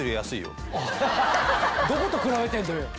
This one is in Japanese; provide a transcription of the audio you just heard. どこと比べてんのよ。